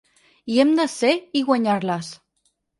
Hi hem de ser i guanyar-les.